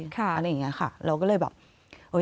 อะไรอย่างนี้ค่ะเราก็เลยแบบ